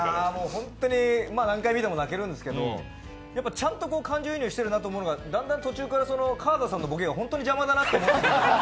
何回見ても泣けるんですけど、ちゃんと感情移入しているなというのが途中から川田さんのボケがホントに邪魔だなと思い始めて。